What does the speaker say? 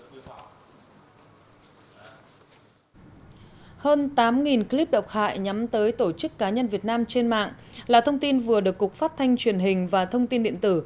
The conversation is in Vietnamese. hơn tám clip độc hại nhắm tới tổ chức cá nhân việt nam trên mạng là thông tin vừa được cục phát thanh truyền hình và thông tin điện tử